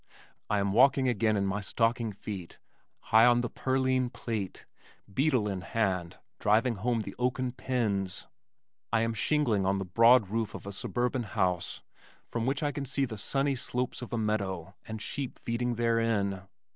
I am walking again in my stocking feet, high on the "purline plate," beetle in hand, driving home the oaken "pins." I am shingling on the broad roof of a suburban house from which I can see the sunny slopes of a meadow and sheep feeding therein.